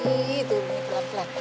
itu ini pelet pelet